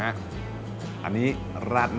เอ๊ะบะหมี่ผัดนี่มันถ้าเป็นเมนูหรอ